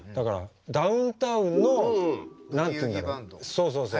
そうそうそう。